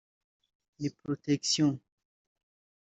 ni protection”